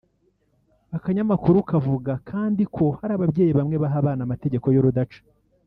Aka kanyamakuru kavuga kandi ko hari ababyeyi bamwe baha abana amategeko y’urudaca